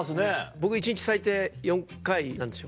僕一日最低４回なんですよ。